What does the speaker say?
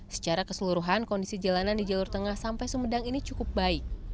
secara keseluruhan kondisi jalanan di jalur tengah sampai sumedang ini cukup baik